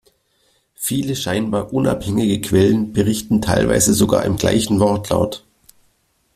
Viele scheinbar unabhängige Quellen, berichten teilweise sogar im gleichen Wortlaut.